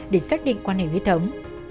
để xác định quan hệ huyết thống